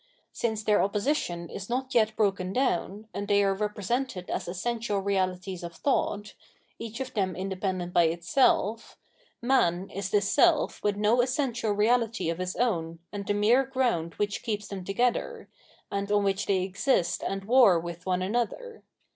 Since their opposition is not yet broken down, and they are represented as essential realities of thought, each of them independent by itself, Tna.n is the seU with no essential reahty of his own and the mere ground which keeps them together, and on which they exist and war with one another.